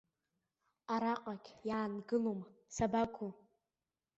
Араҟагь иаангылом, сабаго?